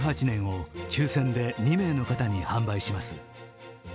１８年を抽選で２名の方に販売します。